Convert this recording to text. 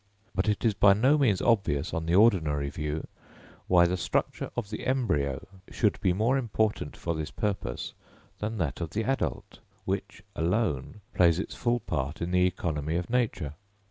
But it is by no means obvious, on the ordinary view, why the structure of the embryo should be more important for this purpose than that of the adult, which alone plays its full part in the economy of nature.